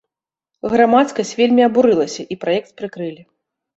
Грамадскасць вельмі абурылася, і праект прыкрылі.